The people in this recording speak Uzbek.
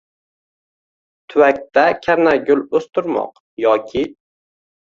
Tuvakda karnaygul oʼstirmoq, yoki